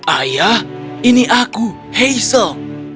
ayah ini aku hazel